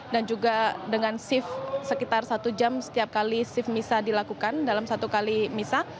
dan juga dengan shift sekitar satu jam setiap kali shift misa dilakukan dalam satu kali misa